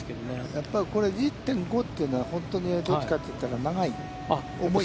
やっぱり、これ、１０．５というのは、本当にどっちかといったら長い、重い、